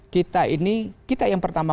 kita ini kita yang pertama